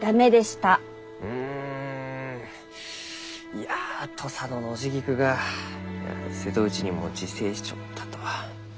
いや土佐のノジギクが瀬戸内にも自生しちょったとは。